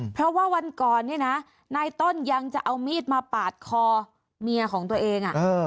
เพราะว่าวันก่อนเนี่ยนะนายต้นยังจะเอามีดมาปาดคอเมียของตัวเอง